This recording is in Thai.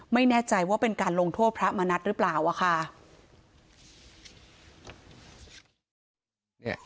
ไม่แน่ใจว่าเป็นการลงโทษพระมณัฐหรือเปล่าอะค่ะ